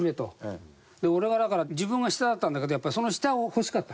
俺はだから自分が下だったんだけどやっぱりその下を欲しかった。